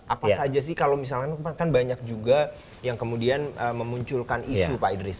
apa saja sih kalau misalnya kan banyak juga yang kemudian memunculkan isu pak idris